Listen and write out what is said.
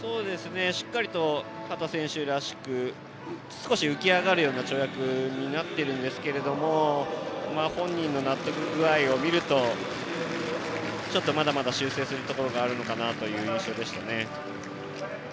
しっかりと秦選手らしく少し浮き上がるような跳躍になっていますが本人の納得具合を見るとちょっとまだまだ修正するところがあるのかなという印象でしたね。